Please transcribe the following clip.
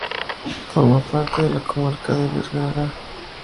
Forma parte de la comarca del Bergadá.